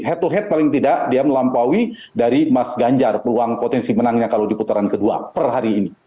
head to head paling tidak dia melampaui dari mas ganjar peluang potensi menangnya kalau di putaran kedua per hari ini